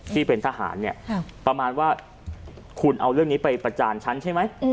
ที่เป็นทหารเนี่ยประมาณว่าคุณเอาเรื่องนี้ไปประจานฉันใช่ไหม